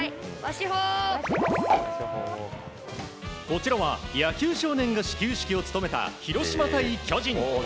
こちらは野球少年が始球式を務めた広島対巨人。